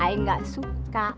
i gak suka